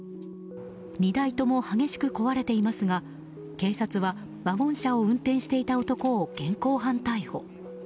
２台とも激しく壊れていますが警察は、ワゴン車を運転していた男を現行犯逮捕。